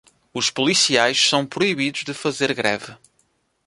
Os policiais são proibidos de fazer greve